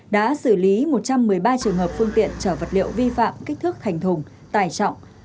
đã xử lý một trăm một mươi ba trường hợp phương tiện chở vật liệu vi phạm kích thước thành thùng tài trọng